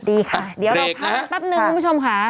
ดีค่ะเดี๋ยวเราพักกันแป๊บนึงคุณผู้ชมค่ะ